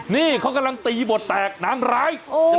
นี่เขากำลังตีบทแตกนางร้าย